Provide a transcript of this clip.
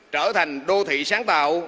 trở thành đô thị sáng tạo